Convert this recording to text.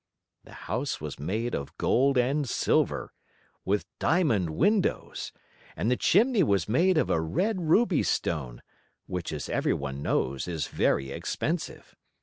The house was made of gold and silver, with diamond windows, and the chimney was made of a red ruby stone, which, as every one knows, is very expensive.